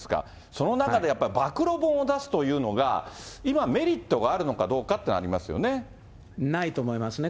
その中でやっぱり、暴露本を出すというのが、今、メリットがあるのかどうかっていうないと思いますね。